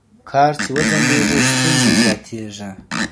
کار چي وځنډېږي ستونزي زياتېږي